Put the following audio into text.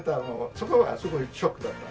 そこはすごいショックだった。